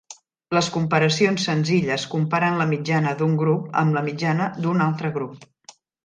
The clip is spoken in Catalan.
Les comparacions senzilles comparen la mitjana d'un grup amb la mitjana d'un altre grup.